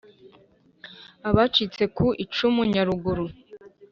Abacitse ku icumu Nyaruguru